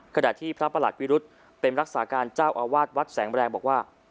ขณะที่พระประหลัดวิรุธเป็นรักษาการเจ้าอาวาสวัดแสงแรงบอกว่า